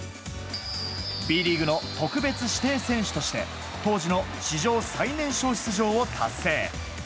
Ｂリーグの特別指定選手として当時の史上最年少出場を達成。